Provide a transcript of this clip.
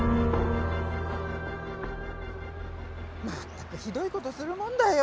まったくひどい事するもんだよ。